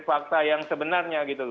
fakta yang sebenarnya